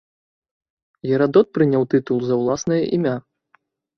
Герадот прыняў тытул за ўласнае імя.